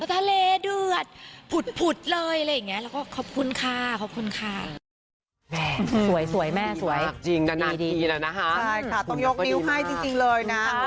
ทะเลเดือดผุดเลยอะไรอย่างเงี้ย